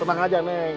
wah tenang aja men